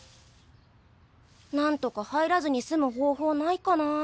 なんとか入らずに済む方法ないかな。